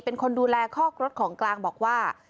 เป็นคนดูแลคอกรถของกลางบอกว่า